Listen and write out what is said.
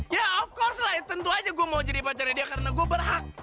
ya of course lah tentu aja gue mau jadi pacarnya dia karena gue berhak